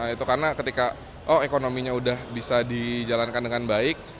itu karena ketika oh ekonominya sudah bisa dijalankan dengan baik